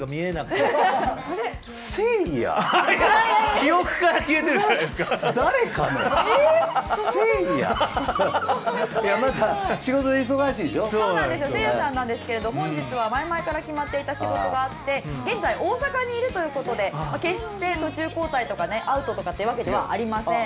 せいやさんなんですけど本日は前々から決まっていた仕事があって現在、大阪にいるということで決して途中交代とかアウトとかというわけではありません。